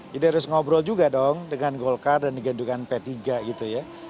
jadi harus ngobrol juga dong dengan golkar dan dengan p tiga gitu ya